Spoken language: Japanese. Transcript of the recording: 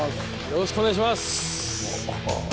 よろしくお願いします！